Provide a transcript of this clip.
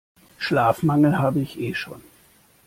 Schlafmangel habe ich eh schon.